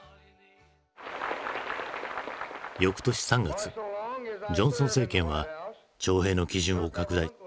よくとし３月ジョンソン政権は徴兵の基準を拡大。